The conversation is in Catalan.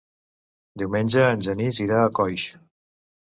Diumenge en Genís irà a Coix.